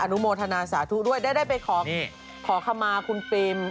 นุโมทนาสาธุด้วยได้ไปขอขมาคุณฟิล์ม